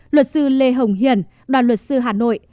luật sư lê hồng hiền đoàn luật sư hà nội